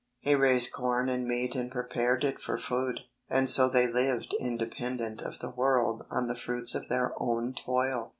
He raised corn and meat and prepared it for food, and so they lived independent of the world on the fruits of their own toil.